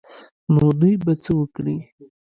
نو دوى به څه وکړي.